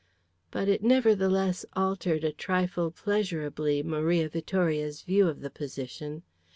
But it nevertheless altered a trifle pleasurably Maria Vittoria's view of the position.